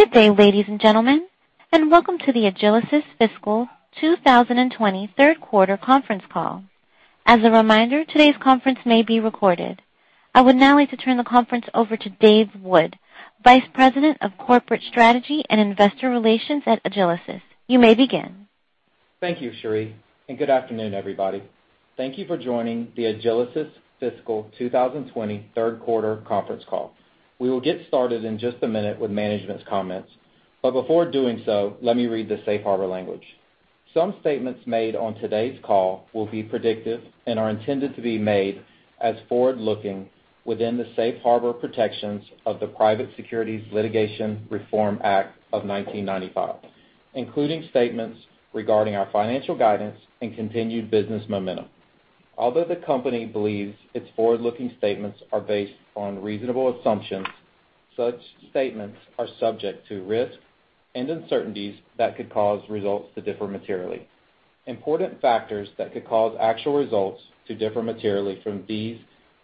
Good day, ladies and gentlemen, and welcome to the Agilysys Fiscal 2020 third quarter conference call. As a reminder, today's conference may be recorded. I would now like to turn the conference over to Dave Wood, Vice President of Corporate Strategy and Investor Relations at Agilysys. You may begin. Thank you, Sheri, good afternoon, everybody. Thank you for joining the Agilysys fiscal 2020 third quarter conference call. We will get started in just a minute with management's comments. Before doing so, let me read the safe harbor language. Some statements made on today's call will be predictive and are intended to be made as forward-looking within the safe harbor protections of the Private Securities Litigation Reform Act of 1995, including statements regarding our financial guidance and continued business momentum. Although the company believes its forward-looking statements are based on reasonable assumptions, such statements are subject to risk and uncertainties that could cause results to differ materially. Important factors that could cause actual results to differ materially from these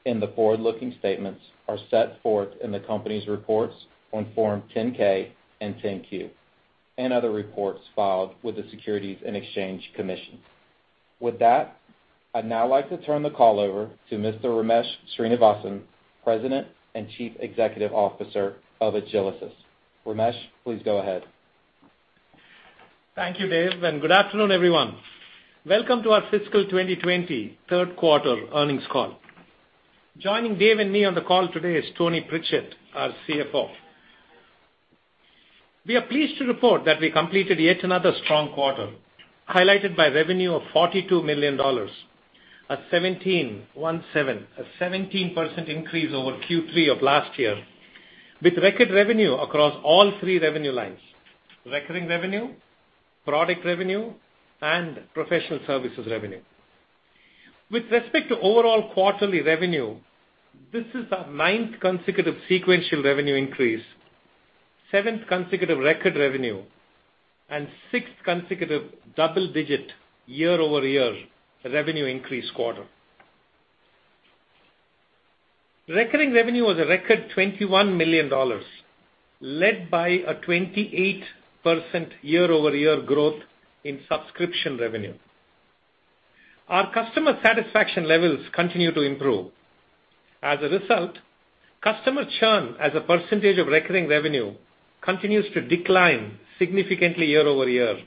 in the forward-looking statements are set forth in the company's reports on Form 10-K and 10-Q, and other reports filed with the Securities and Exchange Commission. With that, I'd now like to turn the call over to Mr. Ramesh Srinivasan, President and Chief Executive Officer of Agilysys. Ramesh, please go ahead. Thank you, Dave, and good afternoon, everyone. Welcome to our fiscal 2020 third quarter earnings call. Joining Dave and me on the call today is Tony Pritchett, our CFO. We are pleased to report that we completed yet another strong quarter, highlighted by revenue of $42 million, a 17% increase over Q3 of last year, with record revenue across all three revenue lines: recurring revenue, product revenue, and professional services revenue. With respect to overall quarterly revenue, this is our ninth consecutive sequential revenue increase, seventh consecutive record revenue, and sixth consecutive double-digit year-over-year revenue increase quarter. Recurring revenue was a record $21 million, led by a 28% year-over-year growth in subscription revenue. Our customer satisfaction levels continue to improve. As a result, customer churn as a percentage of recurring revenue continues to decline significantly year-over-year,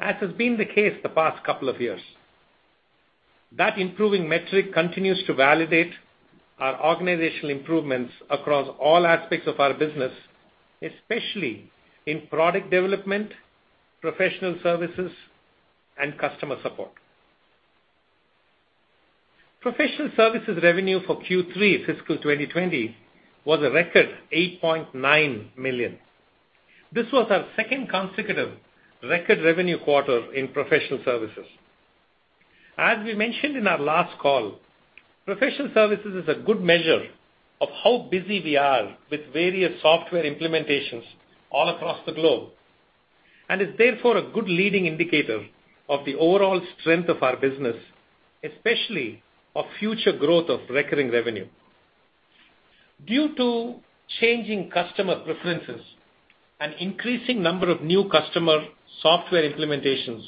as has been the case the past couple of years. That improving metric continues to validate our organizational improvements across all aspects of our business, especially in product development, professional services, and customer support. Professional services revenue for Q3 fiscal 2020 was a record $8.9 million. This was our second consecutive record revenue quarter in professional services. As we mentioned in our last call, professional services is a good measure of how busy we are with various software implementations all across the globe, and is therefore a good leading indicator of the overall strength of our business, especially of future growth of recurring revenue. Due to changing customer preferences, an increasing number of new customer software implementations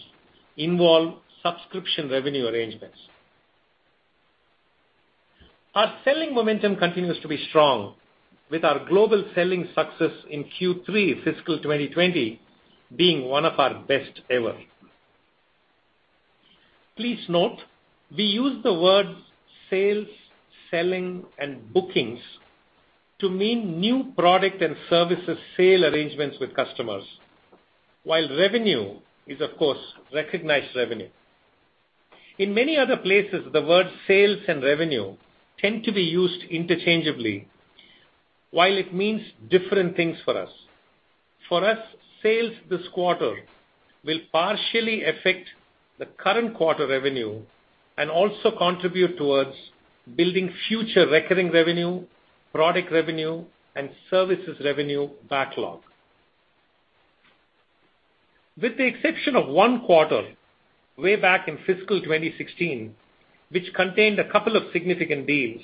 involve subscription revenue arrangements. Our selling momentum continues to be strong with our global selling success in Q3 fiscal 2020 being one of our best ever. Please note, we use the words sales, selling, and bookings to mean new product and services sale arrangements with customers, while revenue is, of course, recognized revenue. In many other places, the word sales and revenue tend to be used interchangeably while it means different things for us. For us, sales this quarter will partially affect the current quarter revenue and also contribute towards building future recurring revenue, product revenue, and services revenue backlog. With the exception of one quarter, way back in fiscal 2016, which contained a couple of significant deals,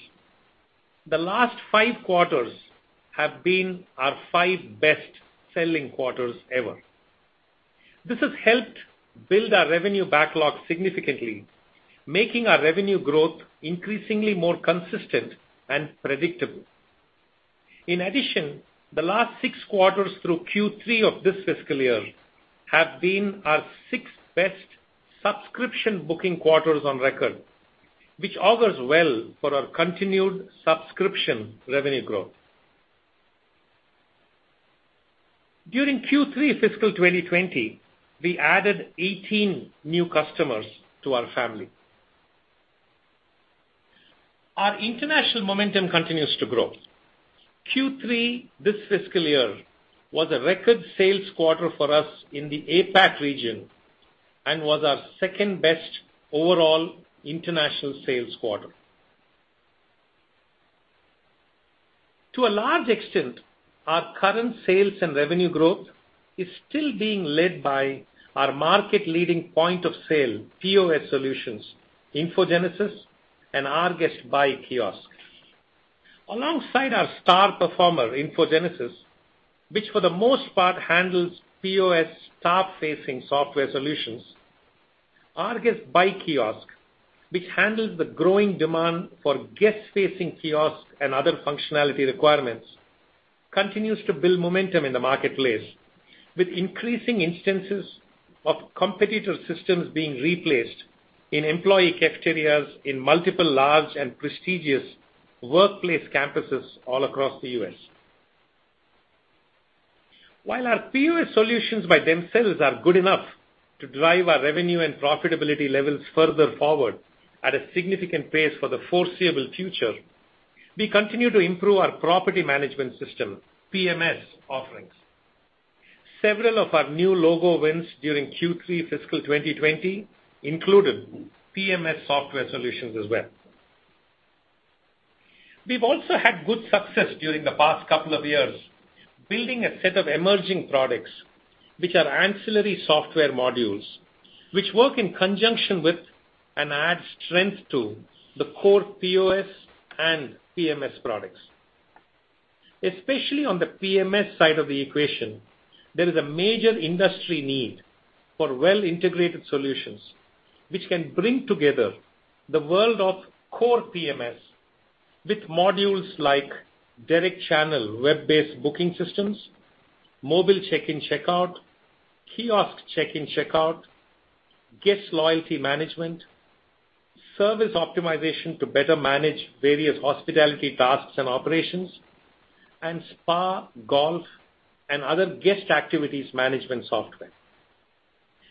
the last five quarters have been our five best-selling quarters ever. This has helped build our revenue backlog significantly, making our revenue growth increasingly more consistent and predictable. In addition, the last six quarters through Q3 of this fiscal year have been our six best subscription booking quarters on record, which augurs well for our continued subscription revenue growth. During Q3 fiscal 2020, we added 18 new customers to our family. Our international momentum continues to grow. Q3 this fiscal year was a record sales quarter for us in the APAC region and was our second-best overall international sales quarter. To a large extent, our current sales and revenue growth is still being led by our market-leading point of sale, POS solutions, InfoGenesis and rGuest Buy Kiosk. Alongside our star performer, InfoGenesis, which for the most part handles POS staff-facing software solutions, rGuest Buy Kiosk, which handles the growing demand for guest-facing kiosk and other functionality requirements, continues to build momentum in the marketplace with increasing instances of competitor systems being replaced in employee cafeterias in multiple large and prestigious workplace campuses all across the U.S. While our POS solutions by themselves are good enough to drive our revenue and profitability levels further forward at a significant pace for the foreseeable future, we continue to improve our property management system, PMS offerings. Several of our new logo wins during Q3 fiscal 2020 included PMS software solutions as well. We've also had good success during the past couple of years building a set of emerging products, which are ancillary software modules, which work in conjunction with and add strength to the core POS and PMS products. Especially on the PMS side of the equation, there is a major industry need for well-integrated solutions, which can bring together the world of core PMS with modules like direct channel, web-based booking systems, mobile check-in, check-out, kiosk check-in, check-out, guest loyalty management, service optimization to better manage various hospitality tasks and operations, and spa, golf, and other guest activities management software.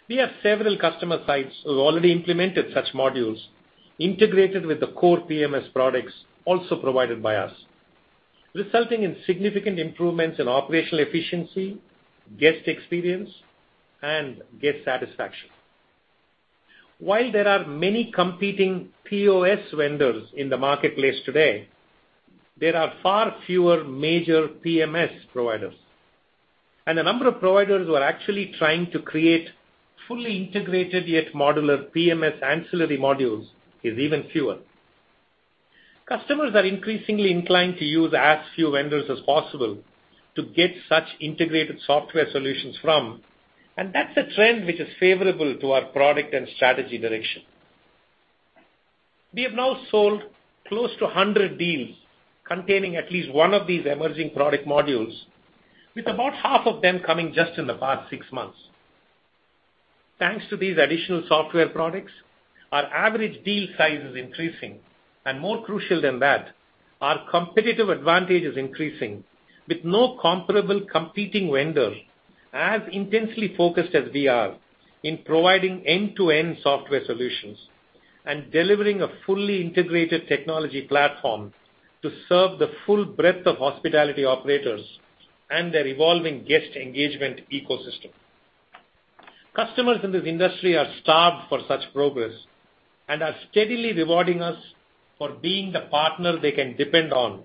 We have several customer sites who have already implemented such modules integrated with the core PMS products also provided by us, resulting in significant improvements in operational efficiency, guest experience, and guest satisfaction. While there are many competing POS vendors in the marketplace today, there are far fewer major PMS providers. The number of providers who are actually trying to create fully integrated yet modular PMS ancillary modules is even fewer. Customers are increasingly inclined to use as few vendors as possible to get such integrated software solutions from. That's a trend which is favorable to our product and strategy direction. We have now sold close to 100 deals containing at least one of these emerging product modules, with about half of them coming just in the past six months. Thanks to these additional software products, our average deal size is increasing. More crucial than that, our competitive advantage is increasing with no comparable competing vendor as intensely focused as we are in providing end-to-end software solutions and delivering a fully integrated technology platform to serve the full breadth of hospitality operators and their evolving guest engagement ecosystem. Customers in this industry are starved for such progress and are steadily rewarding us for being the partner they can depend on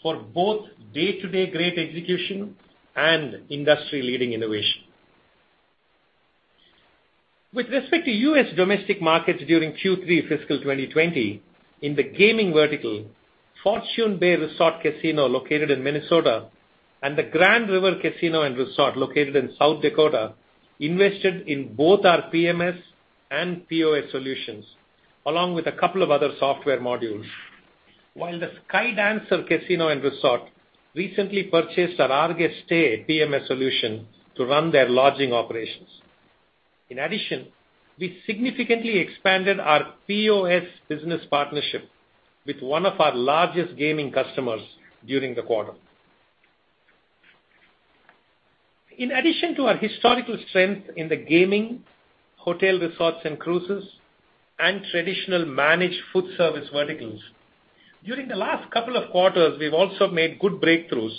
for both day-to-day great execution and industry-leading innovation. With respect to U.S. domestic markets during Q3 fiscal 2020, in the gaming vertical, Fortune Bay Resort Casino, located in Minnesota, and the Grand River Casino & Resort, located in South Dakota, invested in both our PMS and POS solutions, along with a couple of other software modules. While the Sky Dancer Casino & Resort recently purchased our rGuest Stay PMS solution to run their lodging operations. In addition, we significantly expanded our POS business partnership with one of our largest gaming customers during the quarter. In addition to our historical strength in the gaming, hotel resorts and cruises, and traditional managed food service verticals, during the last couple of quarters, we've also made good breakthroughs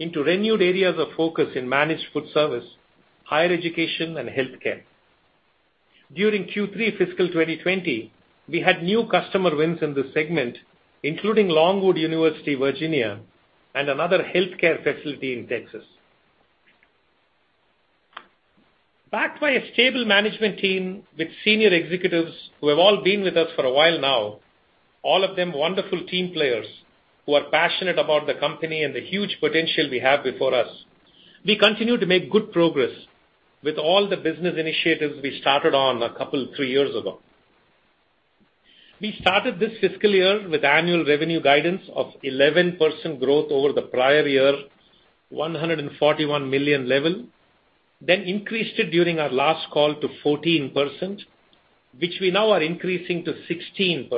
into renewed areas of focus in managed food service, higher education, and healthcare. During Q3 fiscal 2020, we had new customer wins in this segment, including Longwood University, Virginia, and another healthcare facility in Texas. Backed by a stable management team with senior executives who have all been with us for a while now, all of them wonderful team players who are passionate about the company and the huge potential we have before us, we continue to make good progress with all the business initiatives we started on a couple, three years ago. We started this fiscal year with annual revenue guidance of 11% growth over the prior year, $141 million level, then increased it during our last call to 14%, which we now are increasing to 16%.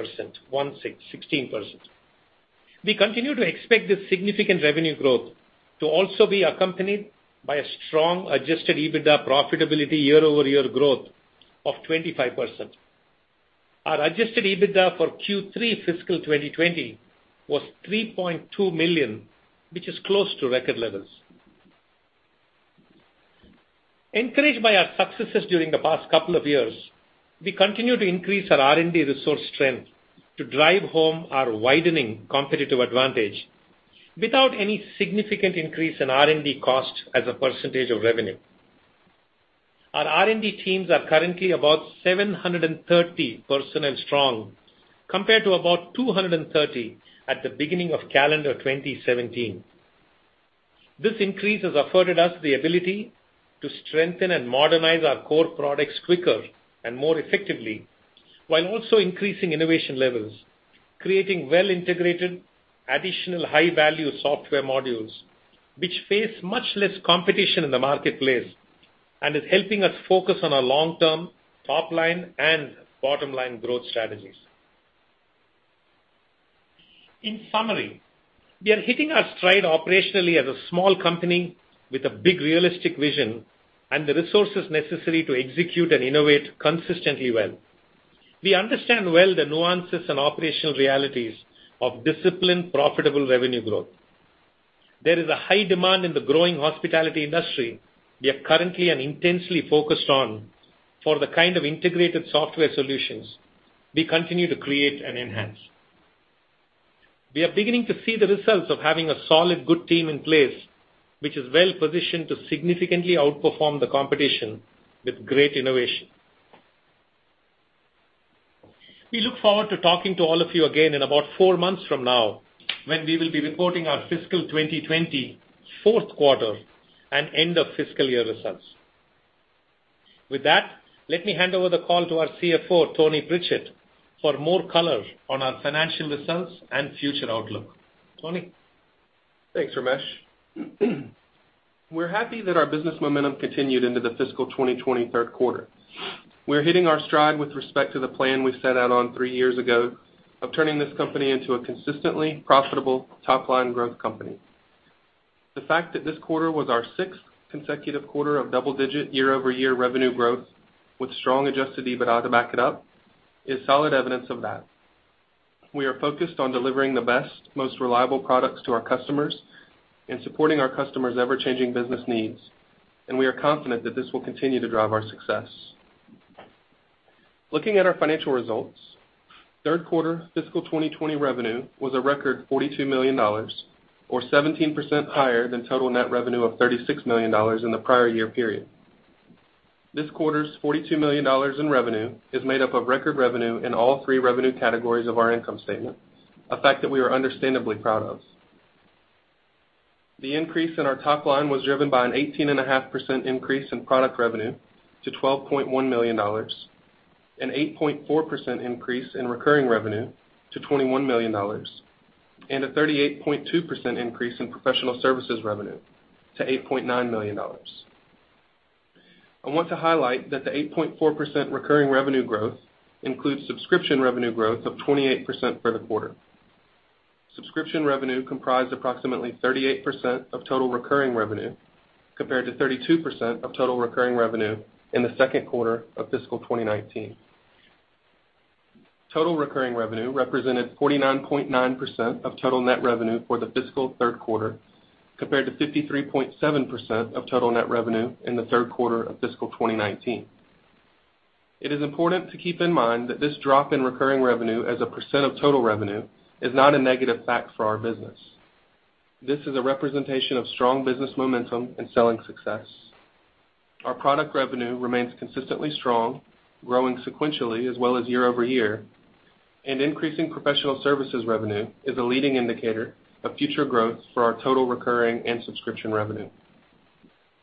We continue to expect this significant revenue growth to also be accompanied by a strong adjusted EBITDA profitability year-over-year growth of 25%. Our adjusted EBITDA for Q3 fiscal 2020 was $3.2 million, which is close to record levels. Encouraged by our successes during the past couple of years, we continue to increase our R&D resource strength to drive home our widening competitive advantage without any significant increase in R&D cost as a percentage of revenue. Our R&D teams are currently about 730 personnel strong, compared to about 230 at the beginning of calendar 2017. This increase has afforded us the ability to strengthen and modernize our core products quicker and more effectively, while also increasing innovation levels, creating well-integrated additional high-value software modules, which face much less competition in the marketplace and is helping us focus on our long-term top-line and bottom-line growth strategies. In summary, we are hitting our stride operationally as a small company with a big realistic vision and the resources necessary to execute and innovate consistently well. We understand well the nuances and operational realities of disciplined, profitable revenue growth. There is a high demand in the growing hospitality industry we are currently and intensely focused on for the kind of integrated software solutions we continue to create and enhance. We are beginning to see the results of having a solid, good team in place, which is well-positioned to significantly outperform the competition with great innovation. We look forward to talking to all of you again in about four months from now, when we will be reporting our fiscal 2020 fourth quarter and end-of-fiscal-year results. With that, let me hand over the call to our CFO, Tony Pritchett, for more color on our financial results and future outlook. Tony? Thanks, Ramesh. We're happy that our business momentum continued into the fiscal 2020 third quarter. We're hitting our stride with respect to the plan we set out on three years ago of turning this company into a consistently profitable top-line growth company. The fact that this quarter was our sixth consecutive quarter of double-digit year-over-year revenue growth, with strong adjusted EBITDA to back it up, is solid evidence of that. We are focused on delivering the best, most reliable products to our customers and supporting our customers' ever-changing business needs, and we are confident that this will continue to drive our success. Looking at our financial results, third quarter fiscal 2020 revenue was a record $42 million, or 17% higher than total net revenue of $36 million in the prior year period. This quarter's $42 million in revenue is made up of record revenue in all three revenue categories of our income statement, a fact that we are understandably proud of. The increase in our top line was driven by an 18.5% increase in product revenue to $12.1 million, an 8.4% increase in recurring revenue to $21 million, and a 38.2% increase in professional services revenue to $8.9 million. I want to highlight that the 8.4% recurring revenue growth includes subscription revenue growth of 28% for the quarter. Subscription revenue comprised approximately 38% of total recurring revenue, compared to 32% of total recurring revenue in the second quarter of fiscal 2019. Total recurring revenue represented 49.9% of total net revenue for the fiscal third quarter, compared to 53.7% of total net revenue in the third quarter of fiscal 2019. It is important to keep in mind that this drop in recurring revenue as a percent of total revenue is not a negative fact for our business. This is a representation of strong business momentum and selling success. Our product revenue remains consistently strong, growing sequentially as well as year-over-year, and increasing professional services revenue is a leading indicator of future growth for our total recurring and subscription revenue.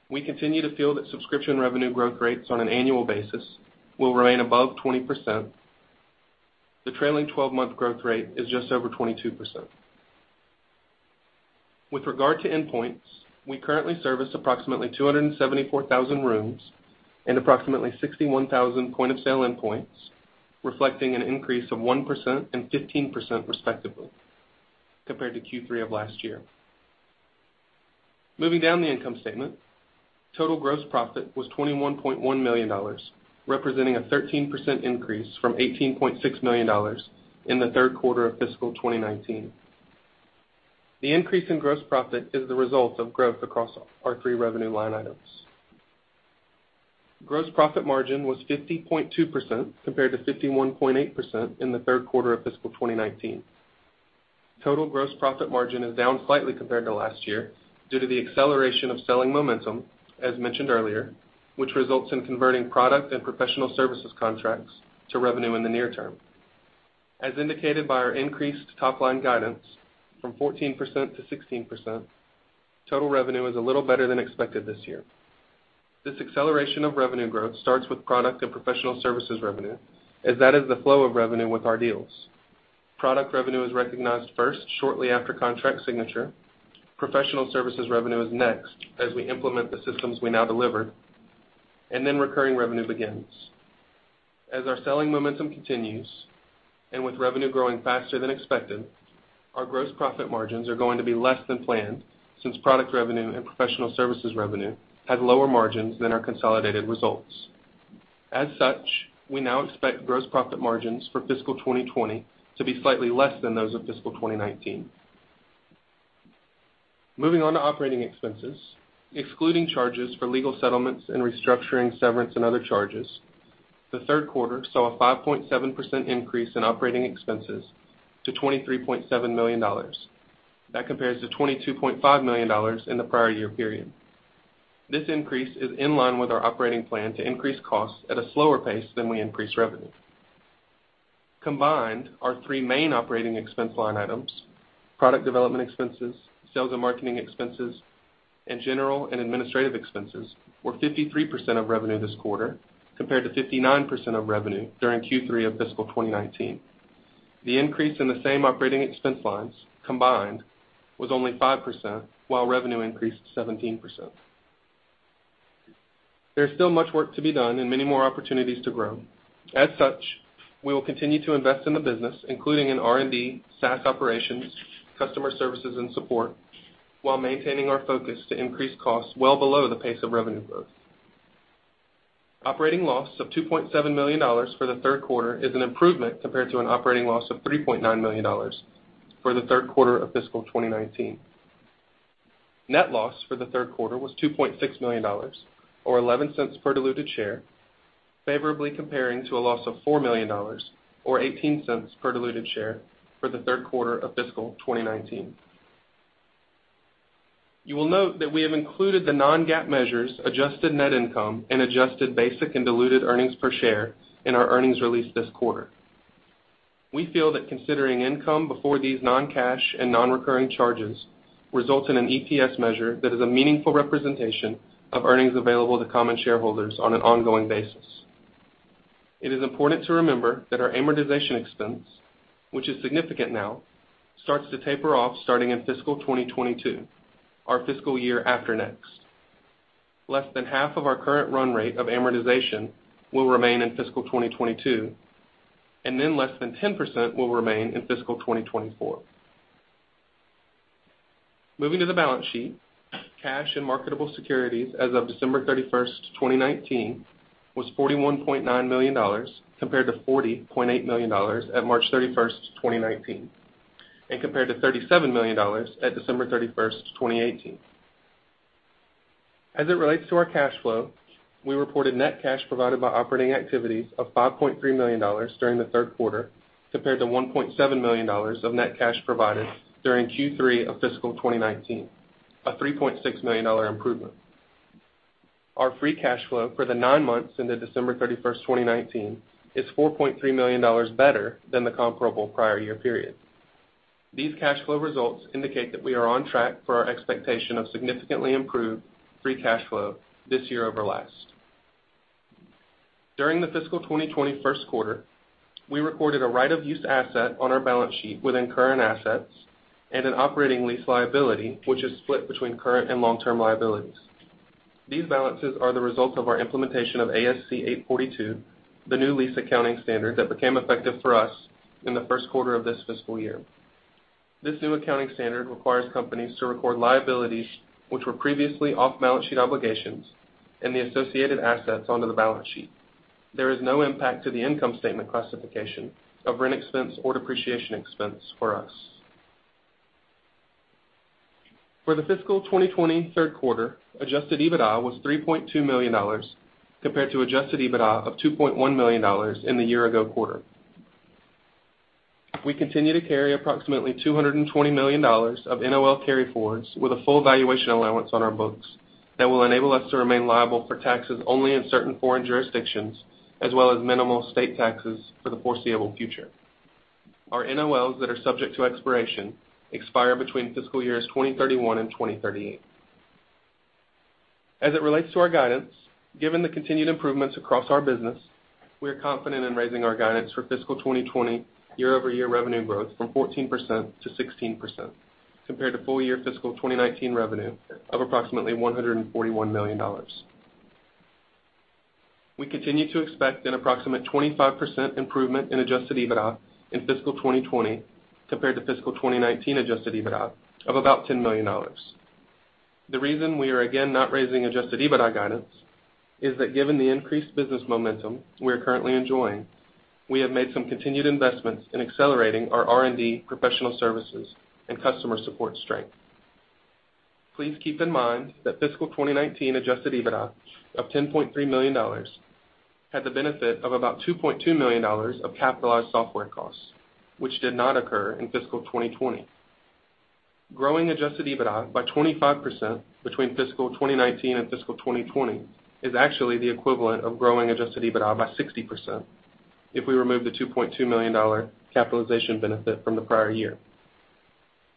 We continue to feel that subscription revenue growth rates on an annual basis will remain above 20%. The trailing 12-month growth rate is just over 22%. With regard to endpoints, we currently service approximately 274,000 rooms and approximately 61,000 point-of-sale endpoints, reflecting an increase of 1% and 15% respectively compared to Q3 of last year. Moving down the income statement, total gross profit was $21.1 million, representing a 13% increase from $18.6 million in the third quarter of fiscal 2019. The increase in gross profit is the result of growth across our three revenue line items. Gross profit margin was 50.2% compared to 51.8% in the third quarter of fiscal 2019. Total gross profit margin is down slightly compared to last year due to the acceleration of selling momentum, as mentioned earlier, which results in converting product and professional services contracts to revenue in the near term. As indicated by our increased top-line guidance from 14%-16%, total revenue is a little better than expected this year. This acceleration of revenue growth starts with product and professional services revenue, as that is the flow of revenue with our deals. Product revenue is recognized first shortly after contract signature, professional services revenue is next as we implement the systems we now deliver, and then recurring revenue begins. As our selling momentum continues, and with revenue growing faster than expected, our gross profit margins are going to be less than planned, since product revenue and professional services revenue have lower margins than our consolidated results. We now expect gross profit margins for fiscal 2020 to be slightly less than those of fiscal 2019. Moving on to operating expenses, excluding charges for legal settlements and restructuring, severance, and other charges. The third quarter saw a 5.7% increase in operating expenses to $23.7 million. That compares to $22.5 million in the prior year period. This increase is in line with our operating plan to increase costs at a slower pace than we increase revenue. Combined, our three main operating expense line items, product development expenses, sales and marketing expenses, and general and administrative expenses, were 53% of revenue this quarter, compared to 59% of revenue during Q3 of fiscal 2019. The increase in the same operating expense lines combined was only 5%, while revenue increased 17%. There's still much work to be done and many more opportunities to grow. As such, we will continue to invest in the business, including in R&D, SaaS operations, customer services, and support, while maintaining our focus to increase costs well below the pace of revenue growth. Operating loss of $2.7 million for the third quarter is an improvement compared to an operating loss of $3.9 million for the third quarter of fiscal 2019. Net loss for the third quarter was $2.6 million, or $0.11 per diluted share, favorably comparing to a loss of $4 million, or $0.18 per diluted share for the third quarter of fiscal 2019. You will note that we have included the non-GAAP measures adjusted net income and adjusted basic and diluted earnings per share in our earnings release this quarter. We feel that considering income before these non-cash and non-recurring charges results in an EPS measure that is a meaningful representation of earnings available to common shareholders on an ongoing basis. It is important to remember that our amortization expense, which is significant now, starts to taper off starting in fiscal 2022, our fiscal year after next. Less than half of our current run rate of amortization will remain in fiscal 2022, and then less than 10% will remain in fiscal 2024. Moving to the balance sheet, cash and marketable securities as of December 31st, 2019, was $41.9 million, compared to $40.8 million at March 31st, 2019, and compared to $37 million at December 31st, 2018. As it relates to our cash flow, we reported net cash provided by operating activities of $5.3 million during the third quarter, compared to $1.7 million of net cash provided during Q3 of fiscal 2019, a $3.6 million improvement. Our free cash flow for the nine months ended December 31st, 2019, is $4.3 million better than the comparable prior year period. These cash flow results indicate that we are on track for our expectation of significantly improved free cash flow this year over last. During the fiscal 2020 first quarter, we recorded a right-of-use asset on our balance sheet within current assets and an operating lease liability, which is split between current and long-term liabilities. These balances are the result of our implementation of ASC 842, the new lease accounting standard that became effective for us in the first quarter of this fiscal year. This new accounting standard requires companies to record liabilities, which were previously off-balance-sheet obligations, and the associated assets onto the balance sheet. There is no impact to the income statement classification of rent expense or depreciation expense for us. For the fiscal 2020 third quarter, adjusted EBITDA was $3.2 million, compared to adjusted EBITDA of $2.1 million in the year-ago quarter. We continue to carry approximately $220 million of NOL carryforwards with a full valuation allowance on our books that will enable us to remain liable for taxes only in certain foreign jurisdictions, as well as minimal state taxes for the foreseeable future. Our NOLs that are subject to expiration expire between fiscal years 2031 and 2038. As it relates to our guidance, given the continued improvements across our business, we are confident in raising our guidance for fiscal 2020 year-over-year revenue growth from 14%-16%, compared to full-year fiscal 2019 revenue of approximately $141 million. We continue to expect an approximate 25% improvement in adjusted EBITDA in fiscal 2020 compared to fiscal 2019 adjusted EBITDA of about $10 million. The reason we are again not raising adjusted EBITDA guidance is that given the increased business momentum we are currently enjoying, we have made some continued investments in accelerating our R&D professional services and customer support strength. Please keep in mind that fiscal 2019 adjusted EBITDA of $10.3 million had the benefit of about $2.2 million of capitalized software costs, which did not occur in fiscal 2020. Growing adjusted EBITDA by 25% between fiscal 2019 and fiscal 2020 is actually the equivalent of growing adjusted EBITDA by 60% if we remove the $2.2 million capitalization benefit from the prior year.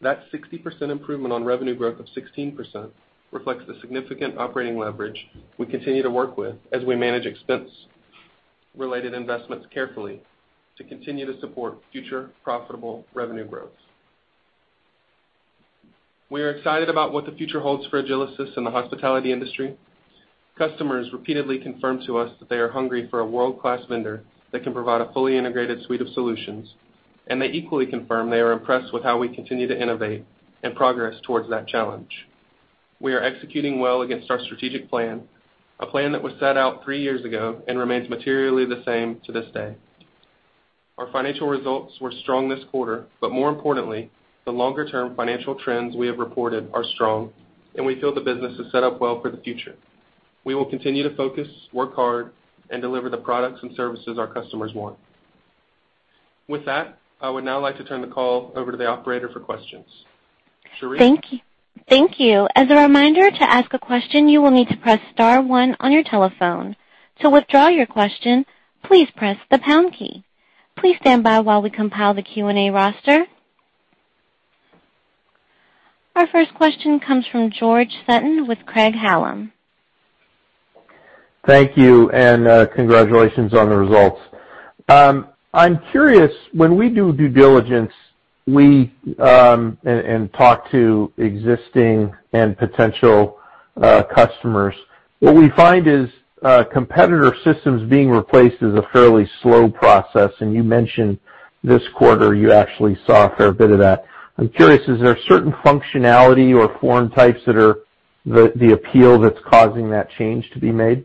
That 60% improvement on revenue growth of 16% reflects the significant operating leverage we continue to work with as we manage expense-related investments carefully to continue to support future profitable revenue growth. We are excited about what the future holds for Agilysys in the hospitality industry. Customers repeatedly confirm to us that they are hungry for a world-class vendor that can provide a fully integrated suite of solutions, and they equally confirm they are impressed with how we continue to innovate and progress towards that challenge. We are executing well against our strategic plan, a plan that was set out three years ago and remains materially the same to this day. Our financial results were strong this quarter, but more importantly, the longer-term financial trends we have reported are strong, and we feel the business is set up well for the future. We will continue to focus, work hard, and deliver the products and services our customers want. With that, I would now like to turn the call over to the operator for questions. Sheri? Thank you. As a reminder, to ask a question, you will need to press star one on your telephone. To withdraw your question, please press the pound key. Please stand by while we compile the Q&A roster. Our first question comes from George Sutton with Craig-Hallum. Thank you. Congratulations on the results. I'm curious, when we do due diligence and talk to existing and potential customers, what we find is competitor systems being replaced is a fairly slow process, and you mentioned this quarter you actually saw a fair bit of that. I'm curious, is there certain functionality or form types that are the appeal that's causing that change to be made?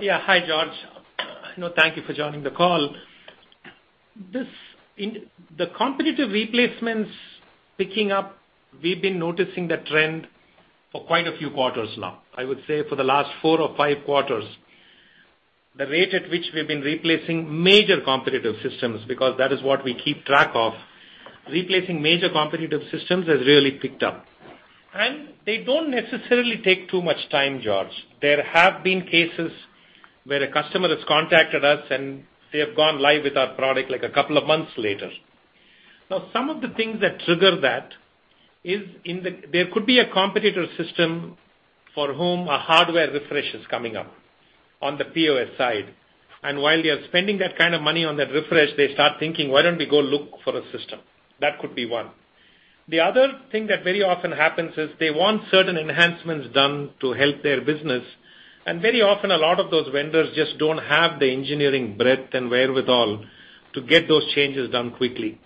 Yeah. Hi, George. Thank you for joining the call. The competitive replacements picking up, we've been noticing the trend for quite a few quarters now. I would say for the last four or five quarters, the rate at which we've been replacing major competitive systems, because that is what we keep track of, replacing major competitive systems has really picked up. They don't necessarily take too much time, George. There have been cases where a customer has contacted us, and they have gone live with our product, like, a couple of months later. Now, some of the things that trigger that is there could be a competitor system for whom a hardware refresh is coming up on the POS side. While they are spending that kind of money on that refresh, they start thinking, "Why don't we go look for a system?" That could be one. The other thing that very often happens is they want certain enhancements done to help their business, very often a lot of those vendors just don't have the engineering breadth and wherewithal to get those changes done quickly.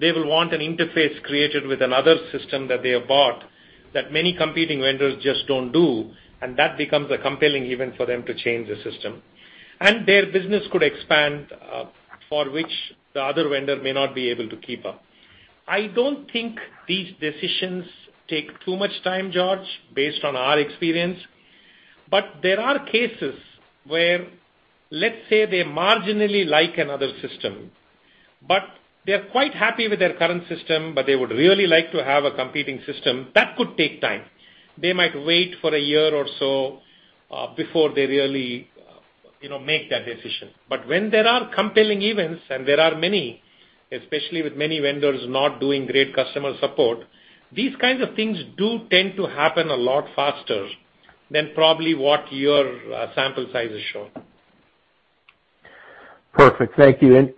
They will want an interface created with another system that they have bought that many competing vendors just don't do, that becomes a compelling event for them to change the system. Their business could expand, for which the other vendor may not be able to keep up. I don't think these decisions take too much time, George, based on our experience. There are cases where, let's say they marginally like another system, but they're quite happy with their current system, but they would really like to have a competing system. That could take time. They might wait for a year or so before they really make that decision. When there are compelling events, and there are many, especially with many vendors not doing great customer support, these kinds of things do tend to happen a lot faster than probably what your sample size has shown. Perfect. Thank you.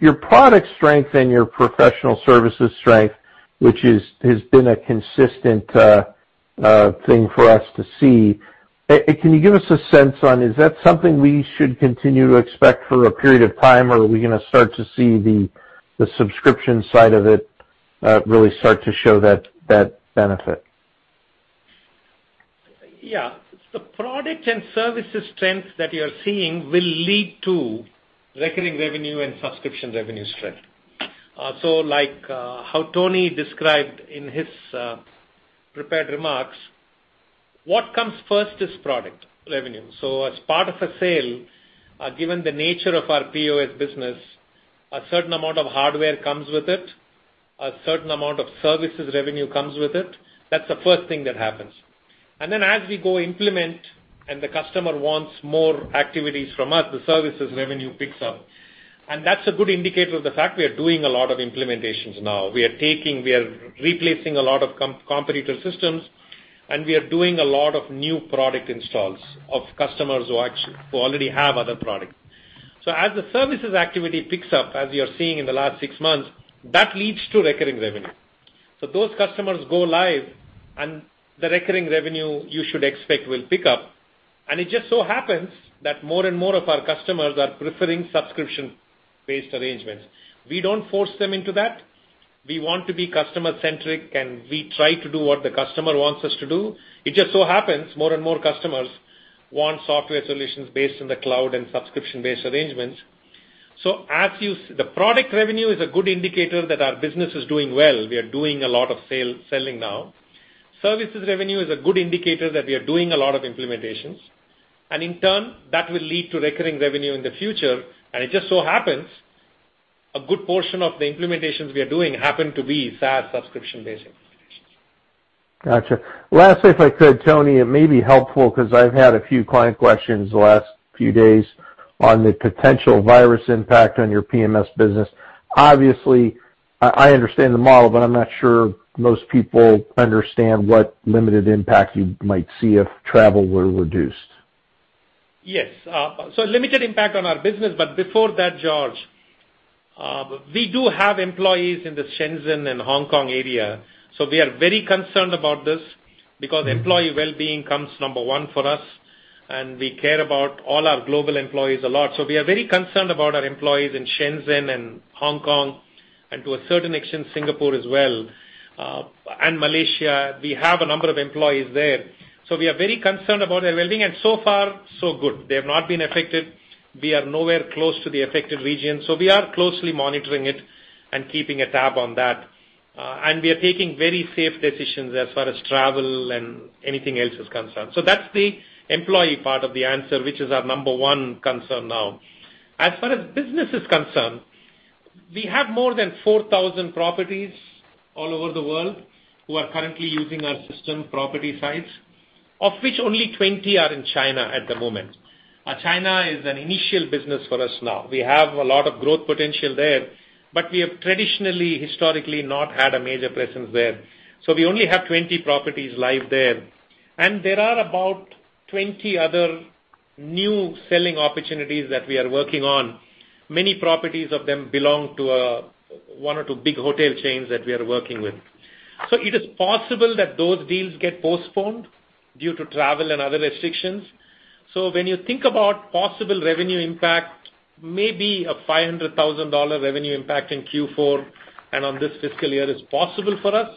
Your product strength and your professional services strength, which has been a consistent thing for us to see, can you give us a sense on, is that something we should continue to expect for a period of time, or are we going to start to see the subscription side of it really start to show that benefit? Yeah. The product and services strength that you're seeing will lead to recurring revenue and subscription revenue strength. Like how Tony described in his prepared remarks, what comes first is product revenue. As part of a sale, given the nature of our POS business, a certain amount of hardware comes with it, a certain amount of services revenue comes with it. That's the first thing that happens. As we go implement and the customer wants more activities from us, the services revenue picks up. That's a good indicator of the fact we are doing a lot of implementations now. We are replacing a lot of competitor systems, and we are doing a lot of new product installs of customers who already have other products. As the services activity picks up, as you're seeing in the last six months, that leads to recurring revenue. Those customers go live, and the recurring revenue you should expect will pick up. It just so happens that more and more of our customers are preferring subscription-based arrangements. We don't force them into that. We want to be customer-centric, and we try to do what the customer wants us to do. It just so happens more and more customers want software solutions based in the cloud and subscription-based arrangements. The product revenue is a good indicator that our business is doing well. We are doing a lot of selling now. Services revenue is a good indicator that we are doing a lot of implementations. In turn, that will lead to recurring revenue in the future. It just so happens a good portion of the implementations we are doing happen to be SaaS subscription-based implementations. Got you. Lastly, if I could, Tony, it may be helpful because I've had a few client questions the last few days on the potential virus impact on your PMS business. Obviously, I understand the model, but I'm not sure most people understand what limited impact you might see if travel were reduced. Yes. Limited impact on our business. Before that, George, we do have employees in the Shenzhen and Hong Kong area, so we are very concerned about this because employee well-being comes number one for us, and we care about all our global employees a lot. We are very concerned about our employees in Shenzhen and Hong Kong. And to a certain extent, Singapore as well, and Malaysia. We have a number of employees there. We are very concerned about their wellbeing, and so far so good. They have not been affected. We are nowhere close to the affected region, so we are closely monitoring it and keeping a tab on that. We are taking very safe decisions as far as travel and anything else is concerned. That's the employee part of the answer, which is our number one concern now. As far as business is concerned, we have more than 4,000 properties all over the world who are currently using our system property sites, of which only 20 are in China at the moment. China is an initial business for us now. We have a lot of growth potential there, but we have traditionally, historically, not had a major presence there. We only have 20 properties live there, and there are about 20 other new selling opportunities that we are working on. Many properties of them belong to one or two big hotel chains that we are working with. It is possible that those deals get postponed due to travel and other restrictions. When you think about possible revenue impact, maybe a $500,000 revenue impact in Q4 and on this fiscal year is possible for us.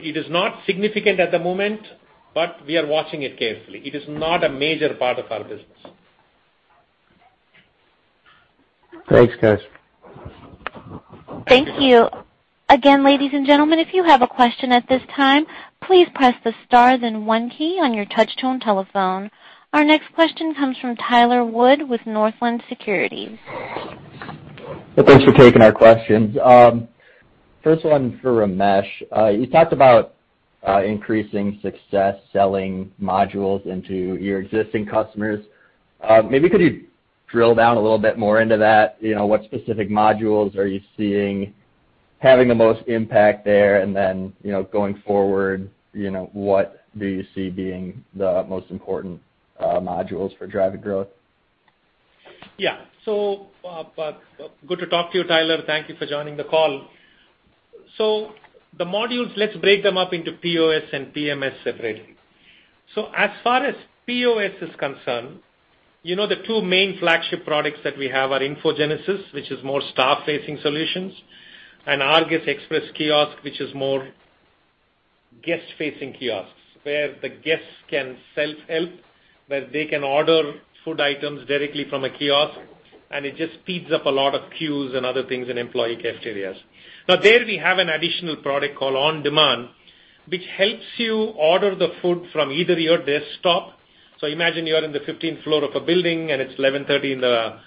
It is not significant at the moment, but we are watching it carefully. It is not a major part of our business. Thanks, guys. Thank you. Ladies and gentlemen, if you have a question at this time, please press the star then one key on your touch-tone telephone. Our next question comes from Tyler Wood with Northland Securities. Thanks for taking our questions. First one for Ramesh. You talked about increasing success selling modules into your existing customers. Maybe could you drill down a little bit more into that? What specific modules are you seeing having the most impact there? Going forward, what do you see being the most important modules for driving growth? Good to talk to you, Tyler. Thank you for joining the call. The modules, let's break them up into POS and PMS separately. As far as POS is concerned, the two main flagship products that we have are InfoGenesis, which is more staff-facing solutions, and rGuest Express Kiosk, which is more guest-facing kiosks, where the guests can self-help, where they can order food items directly from a kiosk, and it just speeds up a lot of queues and other things in employee cafeterias. Now, there we have an additional product called OnDemand, which helps you order the food from either your desktop. Imagine you are in the 15th floor of a building and it's 11:30 A.M.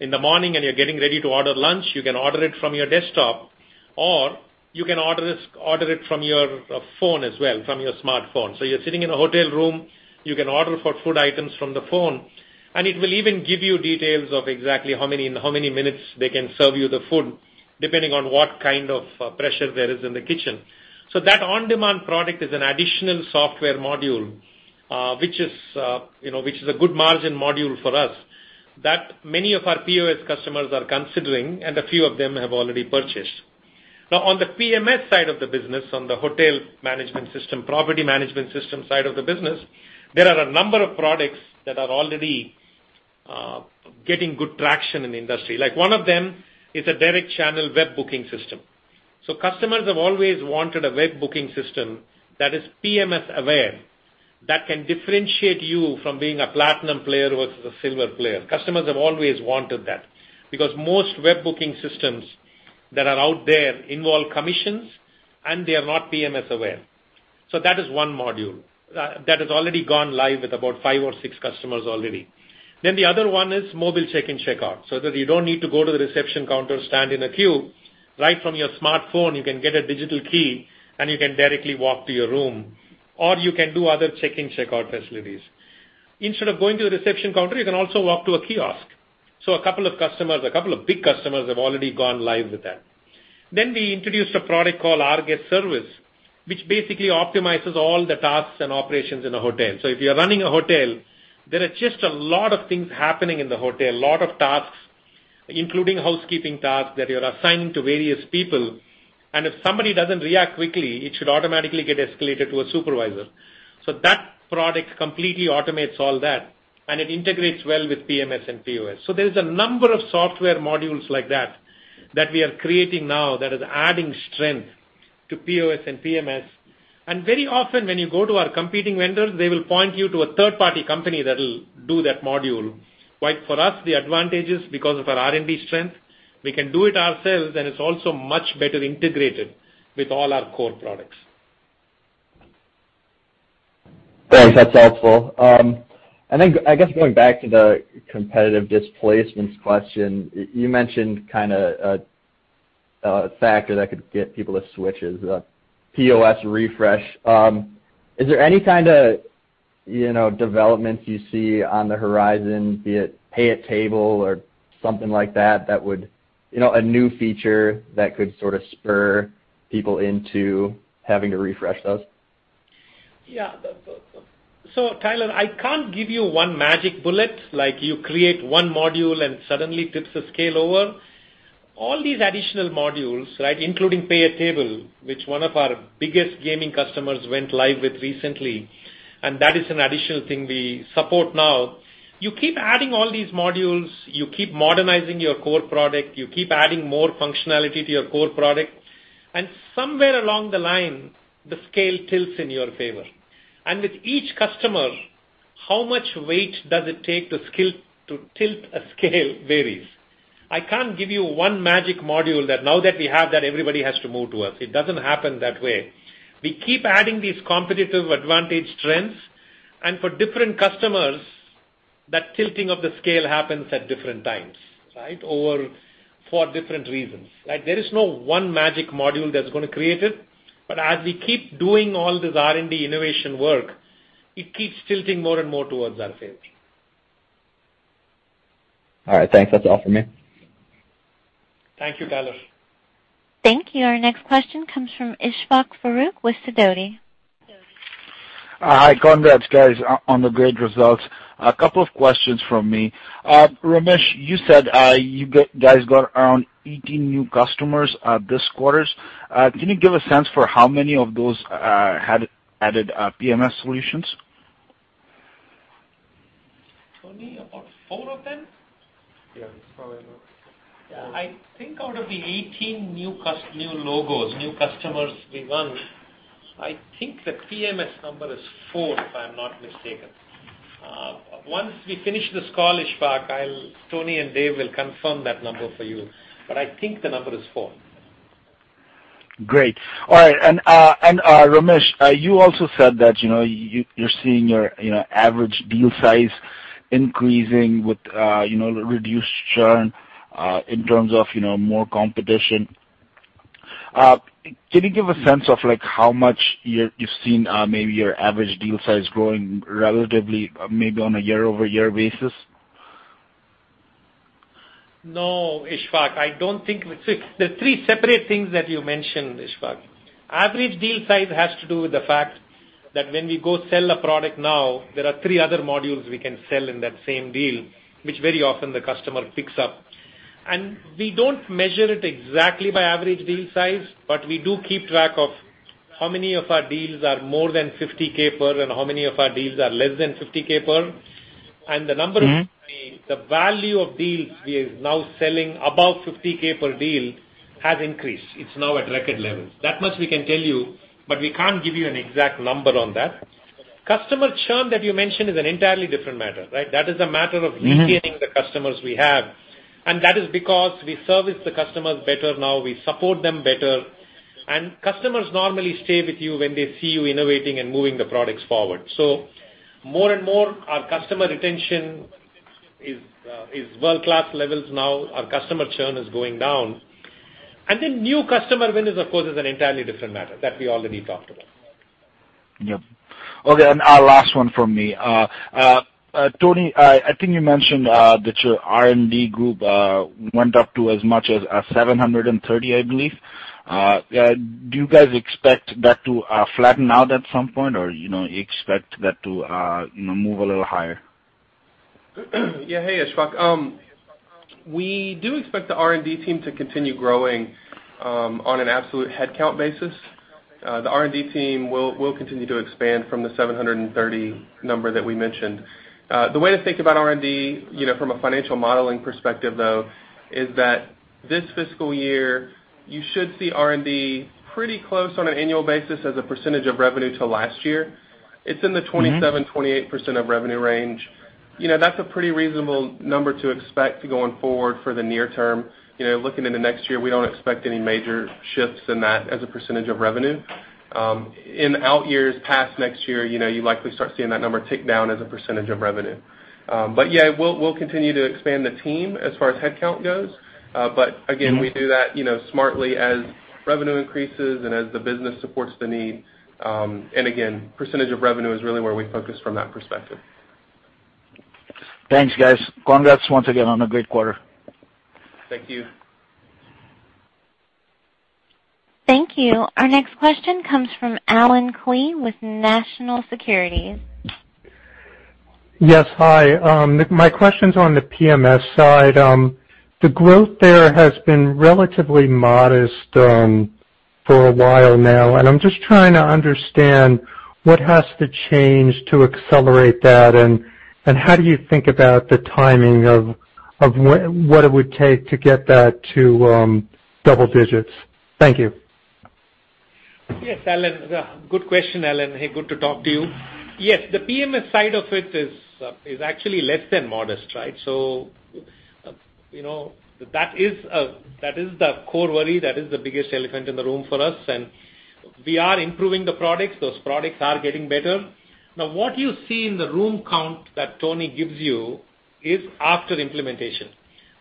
in the morning and you're getting ready to order lunch. You can order it from your desktop, or you can order it from your phone as well, from your smartphone. You're sitting in a hotel room, you can order for food items from the phone, and it will even give you details of exactly in how many minutes they can serve you the food, depending on what kind of pressure there is in the kitchen. That OnDemand product is an additional software module, which is a good margin module for us that many of our POS customers are considering, and a few of them have already purchased. Now, on the PMS side of the business, on the hotel management system, property management system side of the business, there are a number of products that are already getting good traction in the industry. Like one of them is a direct channel web booking system. Customers have always wanted a web booking system that is PMS aware, that can differentiate you from being a platinum player versus a silver player. Customers have always wanted that, because most web booking systems that are out there involve commissions, and they are not PMS aware. That is one module. That has already gone live with about five or six customers already. The other one is mobile check-in, check-out, so that you don't need to go to the reception counter, stand in a queue. Right from your smartphone, you can get a digital key and you can directly walk to your room, or you can do other check-in, check-out facilities. Instead of going to the reception counter, you can also walk to a kiosk. A couple of big customers have already gone live with that. We introduced a product called rGuest Service, which basically optimizes all the tasks and operations in a hotel. If you're running a hotel, there are just a lot of things happening in the hotel, a lot of tasks, including housekeeping tasks that you're assigning to various people. If somebody doesn't react quickly, it should automatically get escalated to a supervisor. That product completely automates all that, and it integrates well with PMS and POS. There's a number of software modules like that that we are creating now that is adding strength to POS and PMS. Very often, when you go to our competing vendors, they will point you to a third-party company that will do that module. While for us, the advantage is because of our R&D strength, we can do it ourselves, and it's also much better integrated with all our core products. Thanks. That's helpful. I think, I guess going back to the competitive displacements question, you mentioned a factor that could get people to switch is a POS refresh. Is there any kind of developments you see on the horizon, be it pay at table or something like that, a new feature that could sort of spur people into having to refresh those? Yeah. Tyler, I can't give you one magic bullet, like you create one module and suddenly tips the scale over. All these additional modules, including pay at table, which one of our biggest gaming customers went live with recently, and that is an additional thing we support now. You keep adding all these modules, you keep modernizing your core product, you keep adding more functionality to your core product. Somewhere along the line, the scale tilts in your favor. With each customer, how much weight does it take to tilt a scale varies. I can't give you one magic module that now that we have that everybody has to move to us. It doesn't happen that way. We keep adding these competitive advantage strengths, and for different customers, that tilting of the scale happens at different times, right? Or for different reasons, right? There is no one magic module that's going to create it. As we keep doing all this R&D innovation work, it keeps tilting more and more towards our favor. All right. Thanks. That's all for me. Thank you, Tyler. Thank you. Our next question comes from Ishfaque Faruk with Sidoti. Hi. Congrats guys on the great results. A couple of questions from me. Ramesh, you said, you guys got around 18 new customers this quarter. Can you give a sense for how many of those added PMS solutions? Tony, about four of them? Yeah, probably about four. I think out of the 18 new logos, new customers we won, I think the PMS number is four, if I'm not mistaken. Once we finish this call, Ishfaque, Tony and Dave will confirm that number for you. I think the number is four. Great. All right. Ramesh, you also said that you're seeing your average deal size increasing with reduced churn, in terms of more competition. Can you give a sense of how much you've seen maybe your average deal size growing relatively, maybe on a year-over-year basis? No, Ishfaque. There are three separate things that you mentioned, Ishfaque. Average deal size has to do with the fact that when we go sell a product now, there are three other modules we can sell in that same deal, which very often the customer picks up. We don't measure it exactly by average deal size, but we do keep track of how many of our deals are more than 50K per, and how many of our deals are less than 50K per. The value of deals we are now selling above $50K per deal has increased. It's now at record levels that much we can tell you we can't give you an exact number on that. Customer churn that you mentioned is an entirely different matter, right? retaining the customers we have. That is because we service the customers better now, we support them better. Customers normally stay with you when they see you innovating and moving the products forward. More and more, our customer retention is world-class levels now. Our customer churn is going down. New customer winners, of course, is an entirely different matter that we already talked about. Yep. Okay, last one from me. Tony, I think you mentioned that your R&D group went up to as much as 730, I believe. Do you guys expect that to flatten out at some point, or expect that to move a little higher? Yeah. Hey, Ishfaque. We do expect the R&D team to continue growing, on an absolute headcount basis. The R&D team will continue to expand from the 730 number that we mentioned. The way to think about R&D from a financial modeling perspective, though, is that this fiscal year, you should see R&D pretty close on an annual basis as a percentage of revenue to last year. 27%-28% of revenue range. That's a pretty reasonable number to expect going forward for the near term. Looking into next year, we don't expect any major shifts in that as a percentage of revenue. In out years past next year, you likely start seeing that number tick down as a percentage of revenue. We'll continue to expand the team as far as headcount goes. We do that smartly as revenue increases and as the business supports the need. Again, percentage of revenue is really where we focus from that perspective. Thanks, guys. Congrats once again on a great quarter. Thank you. Thank you. Our next question comes from Allen Klee with National Securities. Yes. Hi. My question's on the PMS side. The growth there has been relatively modest for a while now. I'm just trying to understand what has to change to accelerate that. How do you think about the timing of what it would take to get that to double digits. Thank you. Yes, Allen. Good question, Allen. Hey, good to talk to you. Yes. The PMS side of it is actually less than modest, right? That is the core worry. That is the biggest elephant in the room for us, and we are improving the products those products are getting better. Now, what you see in the room count that Tony gives you is after implementation.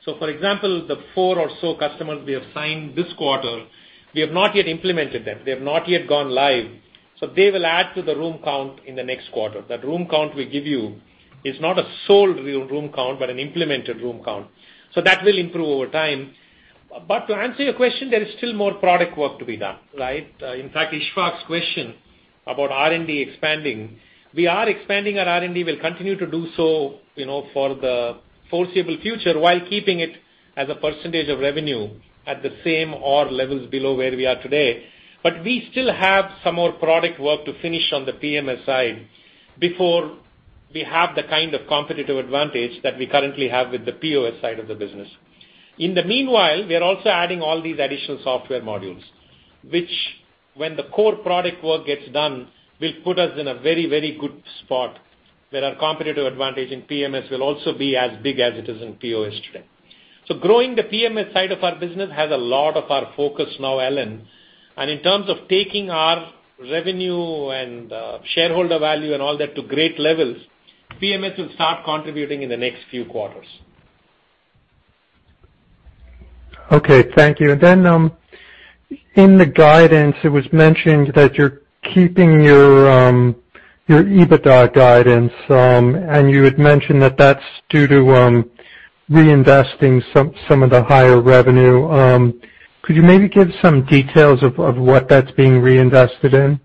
For example, the four or so customers we have signed this quarter, we have not yet implemented them. They have not yet gone live. They will add to the room count in the next quarter. That room count we give you is not a sold room count, but an implemented room count. That will improve over time. To answer your question, there is still more product work to be done, right? In fact, Ishfaque's question about R&D expanding we are expanding our R&D we'll continue to do so for the foreseeable future, while keeping it as a percentage of revenue at the same or levels below where we are today. We still have some more product work to finish on the PMS side before we have the kind of competitive advantage that we currently have with the POS side of the business. In the meanwhile, we are also adding all these additional software modules, which when the core product work gets done, will put us in a very good spot where our competitive advantage in PMS will also be as big as it is in POS today. Growing the PMS side of our business has a lot of our focus now, Allen, and in terms of taking our revenue and shareholder value and all that to great levels, PMS will start contributing in the next few quarters. Okay. Thank you. In the guidance, it was mentioned that you're keeping your EBITDA guidance, and you had mentioned that that's due to reinvesting some of the higher revenue. Could you maybe give some details of what that's being reinvested in?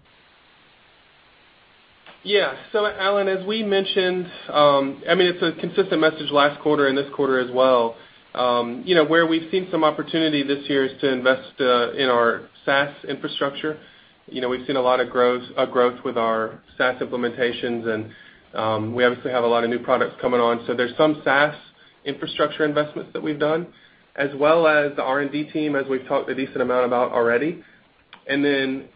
Yeah. Allen, as we mentioned, it's a consistent message last quarter and this quarter as well. Where we've seen some opportunity this year is to invest in our SaaS infrastructure. We've seen a lot of growth with our SaaS implementations, and we obviously have a lot of new products coming on. There's some SaaS infrastructure investments that we've done, as well as the R&D team, as we've talked a decent amount about already. Then,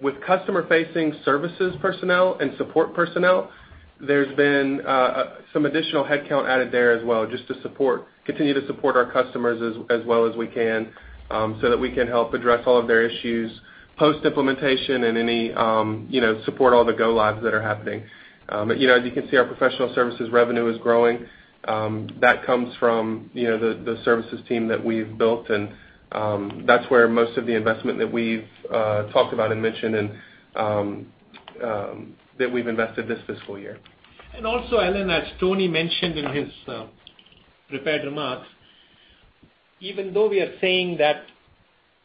with customer-facing services personnel and support personnel, there's been some additional headcount added there as well just to continue to support our customers as well as we can, so that we can help address all of their issues post-implementation and support all the go lives that are happening. As you can see, our professional services revenue is growing. That comes from the services team that we've built, and that's where most of the investment that we've talked about and mentioned, and that we've invested this fiscal year. Allen, as Tony mentioned in his prepared remarks, even though we are saying that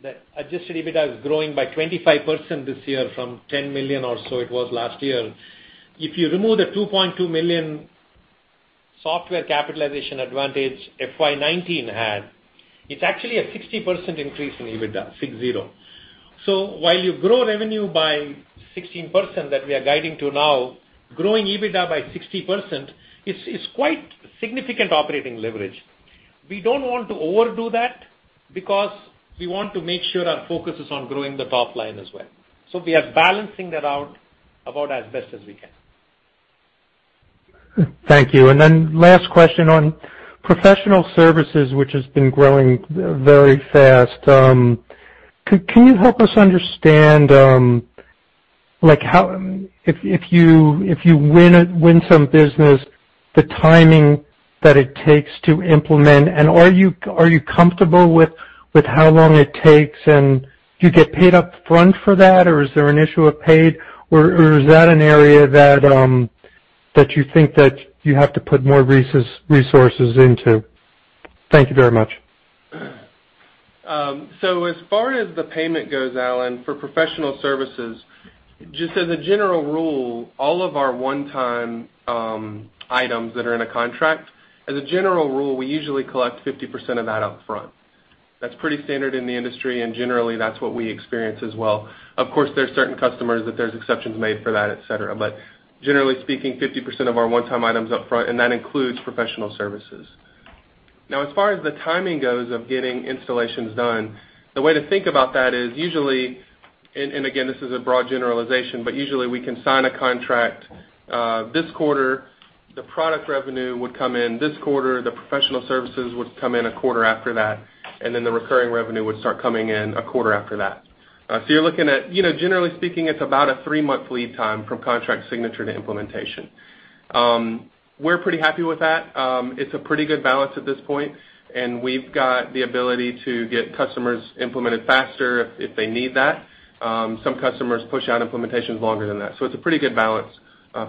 the adjusted EBITDA is growing by 25% this year from $10 million or so it was last year, if you remove the $2.2 million software capitalization advantage FY 2019 had, it's actually a 60% increase in EBITDA, six, zero. While you grow revenue by 16% that we are guiding to now, growing EBITDA by 60% is quite significant operating leverage. We don't want to overdo that because we want to make sure our focus is on growing the top line as well we are balancing that out about as best as we can. Thank you. Last question on professional services, which has been growing very fast. Can you help us understand, if you win some business, the timing that it takes to implement, and are you comfortable with how long it takes, and do you get paid up front for that, or is there an issue of paid, or is that an area that you think that you have to put more resources into? Thank you very much. As far as the payment goes, Allen, for professional services, just as a general rule, all of our one-time items that are in a contract, as a general rule, we usually collect 50% of that up front. That's pretty standard in the industry, and generally, that's what we experience as well. Of course, there's certain customers that there's exceptions made for that, et cetera. Generally speaking, 50% of our one-time items up front, and that includes professional services. As far as the timing goes of getting installations done, the way to think about that is usually, and again, this is a broad generalization, but usually, we can sign a contract, this quarter, the product revenue would come in this quarter, the professional services would come in a quarter after that, and then the recurring revenue would start coming in a quarter after that. You're looking at, generally speaking, it's about a three-month lead time from contract signature to implementation. We're pretty happy with that. It's a pretty good balance at this point, and we've got the ability to get customers implemented faster if they need that. Some customers push out implementations longer than that. It's a pretty good balance,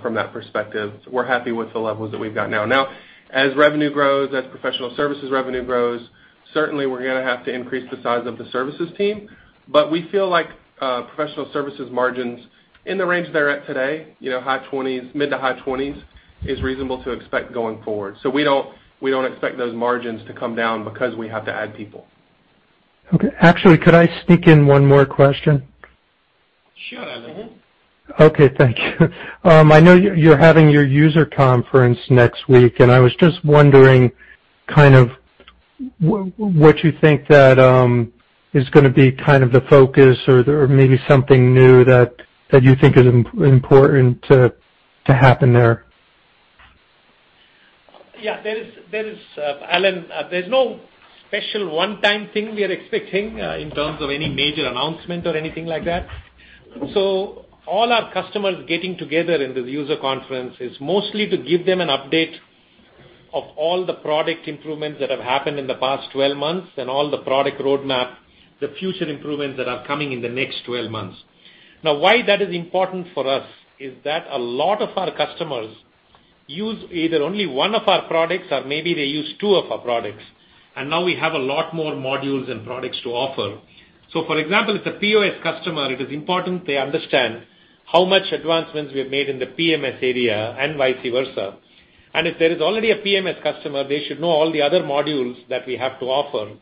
from that perspective. We're happy with the levels that we've got now. As revenue grows, as professional services revenue grows, certainly we're going to have to increase the size of the services team. We feel like professional services margins in the range they're at today, mid to high 20s, is reasonable to expect going forward. We don't expect those margins to come down because we have to add people. Okay. Actually, could I sneak in one more question? Sure, Allen. Mm-hmm. Okay. Thank you. I know you're having your user conference next week, and I was just wondering what you think that is going to be the focus or maybe something new that you think is important to happen there? Yeah. Allen, there's no special one-time thing we are expecting, in terms of any major announcement or anything like that. All our customers getting together in this user conference is mostly to give them an update of all the product improvements that have happened in the past 12 months and all the product roadmap, the future improvements that are coming in the next 12 months. Why that is important for us is that a lot of our customers use either only one of our products, or maybe they use two of our products, and now we have a lot more modules and products to offer. For example, if a POS customer, it is important they understand how much advancements we have made in the PMS area, and vice versa. If there is already a PMS customer, they should know all the other modules that we have to offer.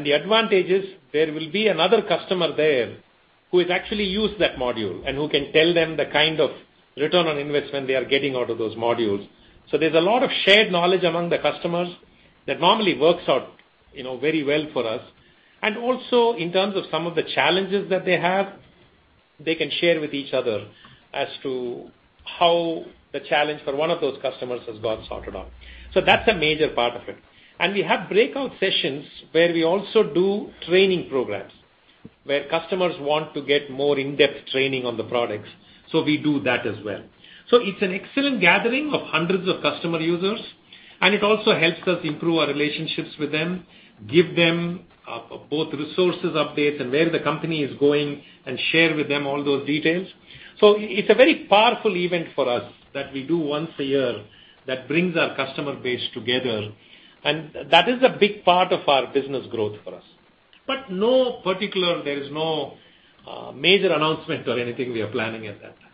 The advantage is there will be another customer who has actually used that module and who can tell them the kind of return on investment they are getting out of those modules. There's a lot of shared knowledge among the customers that normally works out very well for us. Also in terms of some of the challenges that they have, they can share with each other as to how the challenge for one of those customers has got sorted out. That's a major part of it. We have breakout sessions where we also do training programs, where customers want to get more in-depth training on the products. We do that as well. It's an excellent gathering of hundreds of customer users, and it also helps us improve our relationships with them, give them both resources updates and where the company is going, and share with them all those details. It's a very powerful event for us that we do once a year that brings our customer base together, and that is a big part of our business growth for us. There is no major announcement or anything we are planning at that time.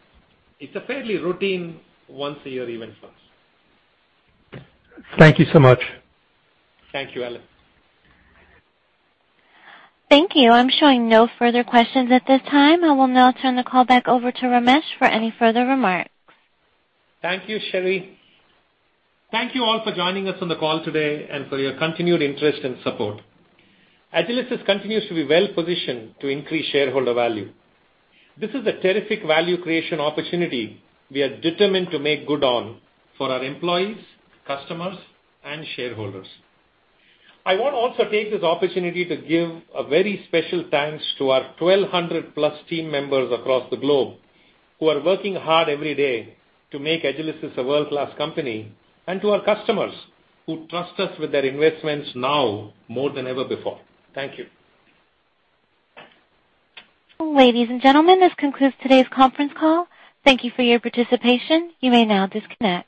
It's a fairly routine once-a-year event for us. Thank you so much. Thank you, Allen. Thank you. I'm showing no further questions at this time. I will now turn the call back over to Ramesh for any further remarks. Thank you, Sheri. Thank you all for joining us on the call today and for your continued interest and support. Agilysys continues to be well-positioned to increase shareholder value. This is a terrific value creation opportunity we are determined to make good on for our employees, customers, and shareholders. I want to also take this opportunity to give a very special thanks to our 1,200 plus team members across the globe who are working hard every day to make Agilysys a world-class company, and to our customers who trust us with their investments now more than ever before. Thank you. Ladies and gentlemen, this concludes today's conference call. Thank you for your participation. You may now disconnect.